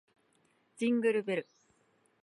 ジングルベル